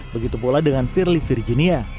begitu pula dengan firly virginia